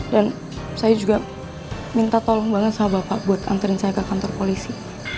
dan saya juga minta tolong banget sahabat pak buat anterin saya ke kantor polisi